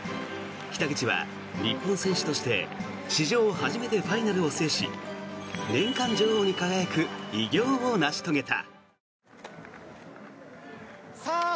北口は日本選手として史上初めてファイナルを制し年間女王に輝く偉業を成し遂げた。